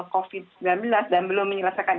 covid sembilan belas dan belum menyelesaikan